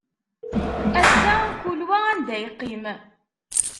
Ass-a kul wa anda yeqqim.